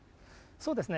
そうですね。